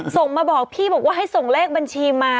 ส่งมาบอกพี่บอกว่าให้ส่งเลขบัญชีมา